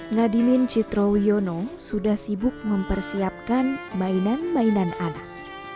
ngadimin citroenono sudah sibuk mempersiapkan mainan mainan anak